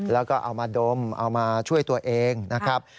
แล้วก็เอามาดมเอามาช่วยตัวเองนะครับ